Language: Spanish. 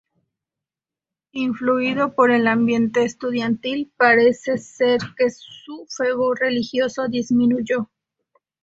Influido por el ambiente estudiantil parece ser que su fervor religioso disminuyó.